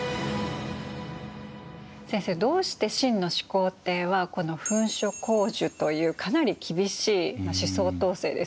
先生どうして秦の始皇帝はこの焚書坑儒というかなり厳しい思想統制ですよね